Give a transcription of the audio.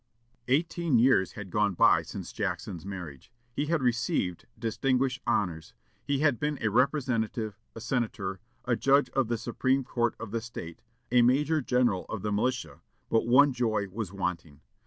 Eighteen years had gone by since Jackson's marriage. He had received distinguished honors; he had been a Representative, a Senator, a Judge of the Supreme Court of the State, a Major General of the militia, but one joy was wanting.